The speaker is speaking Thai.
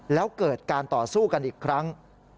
แล้วเกิดการต่อสู้กันอีกครั้ง